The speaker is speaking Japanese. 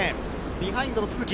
ビハインドの都筑。